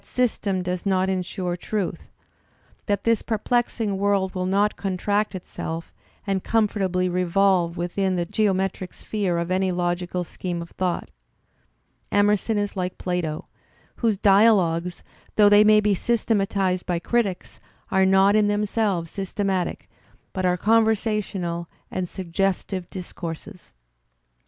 ystem does not ensure truth, that this perplexing world will not contract itself and comfortably revolve within the geometric sphere of any logical scheme of thought. Emerson is like Plato, whose dialogues, though they may be systematized by critics, are not in themselves systematic, but are conversational and suggestive discourses.